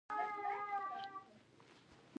د افغانستان جغرافیه کې طبیعي زیرمې ستر اهمیت لري.